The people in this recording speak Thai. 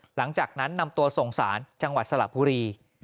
หลังจากนั้นนำตัวส่งสารจังหวัดสระบุรี